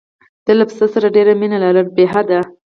ده له پسه سره ډېره مینه لرله بې حده.